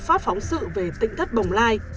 phát phóng sự về tỉnh thất bồng lai